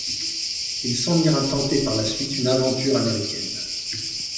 Il s'en ira tenter par la suite une aventure américaine.